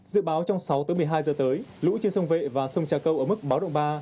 dự báo trong sáu tới một mươi hai giờ tới lũ trên sông vệ và sông trà câu ở mức báo động ba